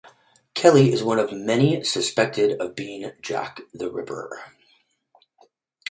Kelly is one of many suspected of being Jack the Ripper.